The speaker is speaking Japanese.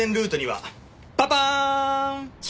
パパーン！